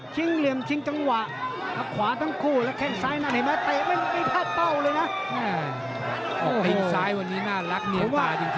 ข้างซ้ายวันนี้น่ารักเนียนตาจริง